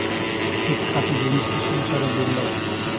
ঠিক খাঁটি জিনিসটি সংসারে দুর্লভ।